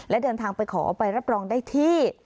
และเดินทางไปขอใบรับรองได้ที่